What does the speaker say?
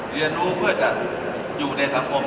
เรียนรู้เพื่อจะอยู่ในสังคม